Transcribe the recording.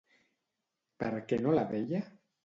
Per què no la deia?